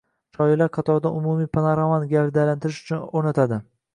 shiorlar qatorida umumiy panoramani gavdalantirish uchun o‘rnatadi.